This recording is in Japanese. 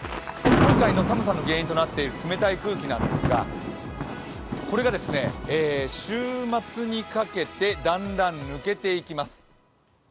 今回の寒さの原因となっている冷たい空気なんですが、これが週末にかけて、だんだん抜けていきます。